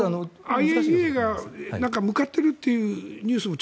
ＩＡＥＡが向かっているというニュースも。